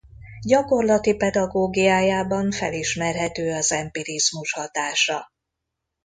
Gyakorlati pedagógiájában felismerhető az empirizmus hatása.